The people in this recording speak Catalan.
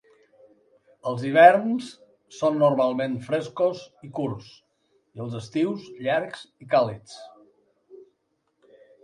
Els hiverns són normalment frescos i curts i els estius llargs i càlids.